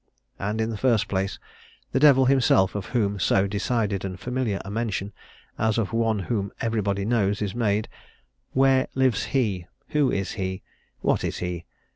And in the first place, the Devil himself of whom so decided and familiar a mention, as of one whom everybody knows, is made where lives he? Who is he? What is he?